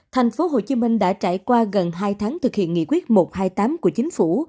tp hcm đã trải qua gần hai tháng thực hiện nghị quyết một trăm hai mươi tám của chính phủ